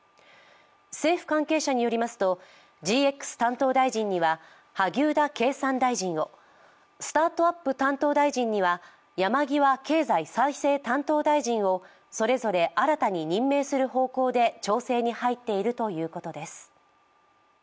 政府関係者によりますとＧＸ担当大臣には萩生田経産大臣をスタートアップ担当大臣には山際経済再生担当大臣をそれぞれ新たに任命する方向で調整に入っているということです。